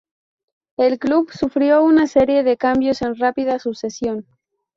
El club sufrió una serie de cambios en rápida sucesión.